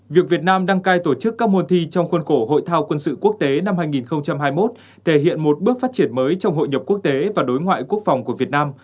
việc việt nam đăng cai tổ chức các môn thi trong khuôn khổ hội thao quân sự quốc tế năm hai nghìn hai mươi một thể hiện một bước phát triển mới trong hội nhập quốc tế và đối ngoại quốc phòng của việt nam